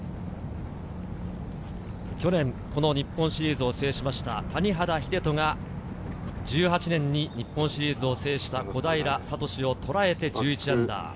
去年、日本シリーズを制しました谷原秀人が、１８年に日本シリーズを制した小平智をとらえて−１１。